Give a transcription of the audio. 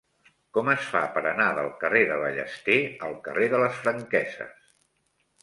Com es fa per anar del carrer de Ballester al carrer de les Franqueses?